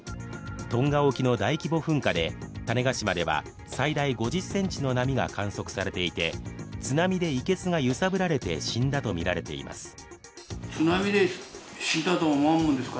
トンガ沖の大規模噴火で種子島では最大５０ｃｍの波が観測されていて津波でいけすが揺さぶられて死んだとみられています。